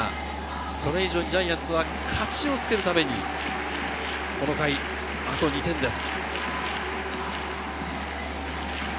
それ以上にジャイアンツは勝ちをつけるために、この回、あと２点です。